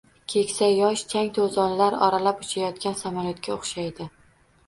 Keksa yosh chang-to’zonlar oralab uchayotgan samolyotga o’xshaydi.